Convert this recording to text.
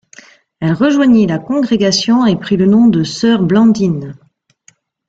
Elle rejoignit la congrégation et prit le nom de sœur Blandine.